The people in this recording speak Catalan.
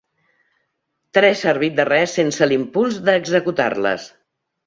Tres servit de res sense l'impuls d'executar-les.